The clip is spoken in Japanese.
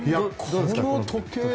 この時計。